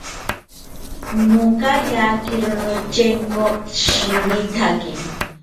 Nokayakiro notyenko shiwithaki